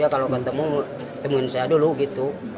kalau ketemu temuin saya dulu gitu